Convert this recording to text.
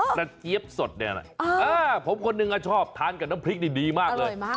กระเจ๊บสดผมคนหนึ่งอ่ะชอบทานกับน้ำพริกนี่ดีมากเลย